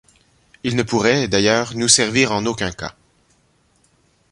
Il ne pourrait, d’ailleurs, nous servir en aucun cas